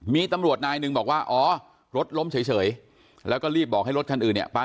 มีตำรวจนายหนึ่งบอกว่าอ๋อรถล้มเฉยแล้วก็รีบบอกให้รถคันอื่นเนี่ยไป